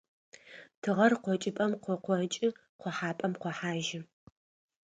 Тыгъэр къокӀыпӀэм къыкъокӀы къохьапӀэм къохьажьы.